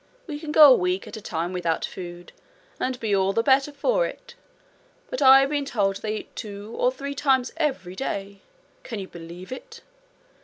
We can go a week at a time without food, and be all the better for it; but I've been told they eat two or three times every day! Can you believe it?